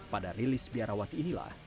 pada rilis biarawati inilah